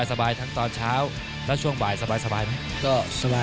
สบายทั้งตอนเช้าและช่วงบ่ายสบายนะ